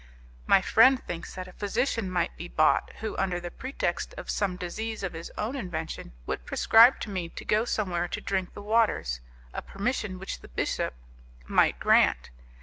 "My friend thinks that a physician might be bought, who, under the pretext of some disease of his own invention, would prescribe to me to go somewhere to drink the waters a permission which the bishop might grant.